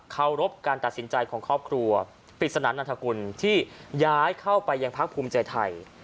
เขารบการตัดสินใจของครอบครัวปริศนานนัฐกุลที่ย้ายเข้าไปยังพักภูมิใจไทย